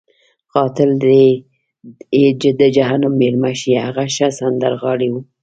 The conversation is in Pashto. قاتل دې یې د جهنم میلمه شي، هغه ښه سندرغاړی وو.